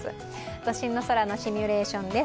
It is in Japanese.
都心の空のシミュレーションです。